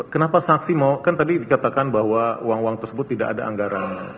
kenapa saksi mau kan tadi dikatakan bahwa uang uang tersebut tidak ada anggaran